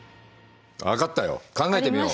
分かったよ考えてみよう。